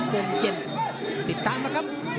๓บนเจนติดตามนะครับ